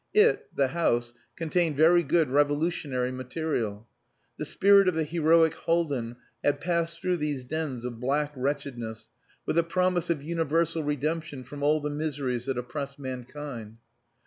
It the house contained very good revolutionary material. The spirit of the heroic Haldin had passed through these dens of black wretchedness with a promise of universal redemption from all the miseries that oppress mankind.